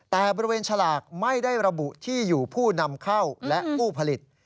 แต่บริเวณฉลากไม่ได้ระบุที่อยู่ผู้นำเข้าและผู้ผลิต